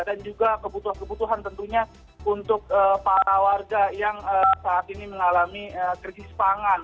dan juga kebutuhan kebutuhan tentunya untuk para warga yang saat ini mengalami krisis pangan